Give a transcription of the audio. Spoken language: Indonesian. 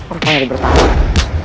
orpah yang dibertarung